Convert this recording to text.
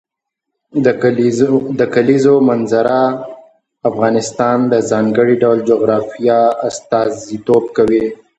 د کلیزو منظره د افغانستان د ځانګړي ډول جغرافیه استازیتوب کوي.